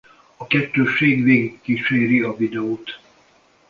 A kettősség végigkíséri a videót.